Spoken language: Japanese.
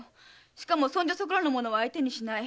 しかもそんじょそこらの者は相手にしない。